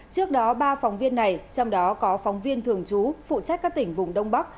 trước đó ba phóng viên này trong đó có phóng viên thường trú phụ trách các tỉnh vùng đông bắc